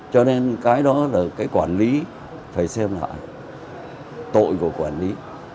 cho nên cái đó là cái quản lý phải xem lại tội của quản lý